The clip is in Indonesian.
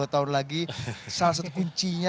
dua tahun lagi salah satu kuncinya